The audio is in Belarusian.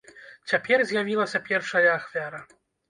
Цяпер з'явілася першая ахвяра.